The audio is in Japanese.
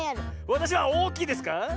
わたしはおおきいですか？